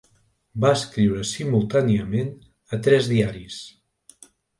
Va escriure simultàniament a tres diaris.